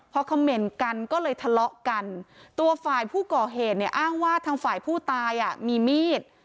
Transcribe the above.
พอคำเมนต์กันก็เลยทะเลาะกันตัวฝ่ายผู้ก่อเหตุเนี่ยอ้างว่าทางฝ่ายผู้ตายอ่ะมีมีด